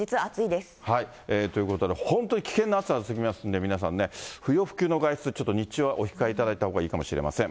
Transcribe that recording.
ということで、本当に危険な暑さが続きますんで、皆さんね、不要不急の外出、ちょっと日中はお控えいただいたほうがいいかもしれません。